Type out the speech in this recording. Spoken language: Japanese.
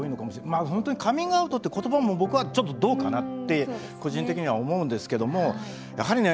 まあほんとにカミングアウトって言葉も僕はちょっとどうかなって個人的には思うんですけどもやはりね